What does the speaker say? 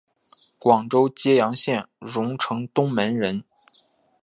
广东揭阳县榕城东门人。